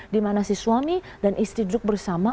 dimana si suami dan istri duduk bersama